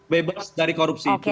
bebas dari korupsi